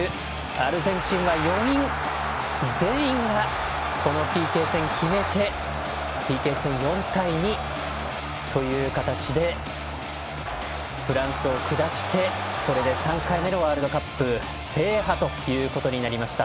アルゼンチンは４人全員がこのＰＫ戦で決めてＰＫ戦、４対２という形でフランスを下してこれで３回目のワールドカップ制覇となりました。